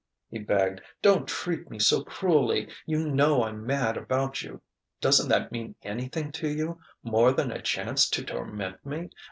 he begged "don't treat me so cruelly! You know I'm mad about you. Doesn't that mean anything to you, more than a chance to torment me?